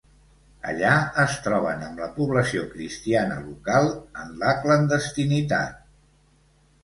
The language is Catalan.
Allà es troben amb la població cristiana local en la clandestinitat.